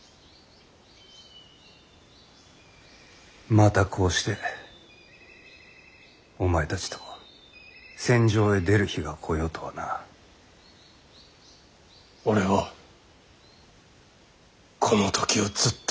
またこうしてお前たちと戦場へ出る日が来ようとはな。俺はこの時をずっと待っておりました。